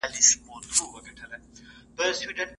ويلم سن وويل چي پرمختيا ځانګړې دوامداره پروسه ده.